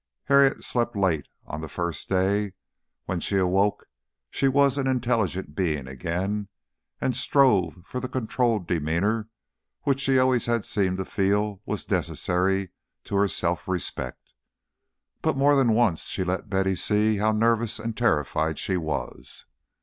Harriet slept late on the first day. When she awoke she was an intelligent being again, and strove for the controlled demeanor which she always had seemed to feel was necessary to her self respect. But more than once she let Betty see how nervous and terrified she was.